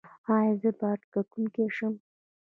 ایا زه باید ګټونکی شم؟